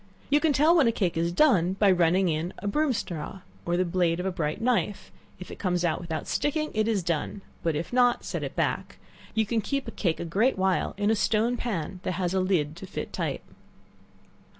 You can tell when a cake is done by running in a broom straw, or the blade of a bright knife; if it comes out without sticking, it is done, but if not, set it back. You can keep a cake a great while in a stone pan that has a lid to fit tight.